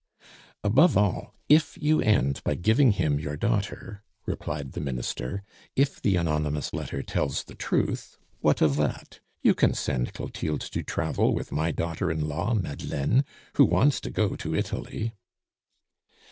"Above all, if you end by giving him your daughter," replied the Minister. "If the anonymous letter tells the truth, what of that? You can send Clotilde to travel with my daughter in law Madeleine, who wants to go to Italy."